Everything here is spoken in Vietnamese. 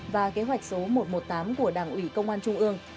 và kế hoạch số một trăm một mươi tám của đảng ủy công an trung ương